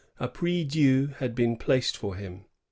A prie dieu had been placed for him.